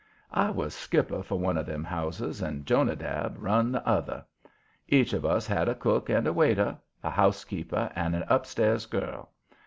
I was skipper for one of them houses, and Jonadab run the other. Each of us had a cook and a waiter, a housekeeper and an up stairs girl.